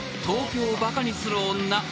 東京をバカにする女］